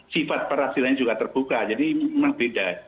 sifat perhatian juga terbuka jadi memang beda